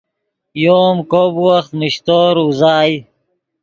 یو ام کوب وخت میشتور اوزائے